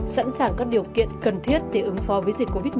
sẵn sàng các điều kiện cần thiết để ứng phó với dịch covid một mươi chín